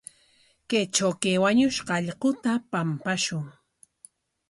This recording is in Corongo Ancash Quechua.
Kaytraw kay wañushqa allquta pampashun.